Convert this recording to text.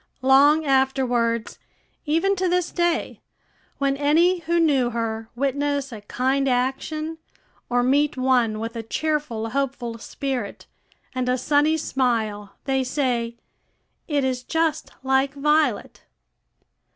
Long afterwards, even to this day, when any who knew her witness a kind action, or meet one with a cheerful, hopeful spirit, and a sunny smile, they say, "It is just like Violet."